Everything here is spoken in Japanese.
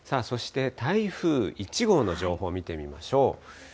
そして、台風１号の情報を見てみましょう。